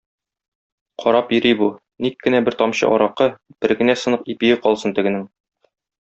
Карап йөри бу, ник кенә бер тамчы аракы, бер генә сынык ипие калсын тегенең.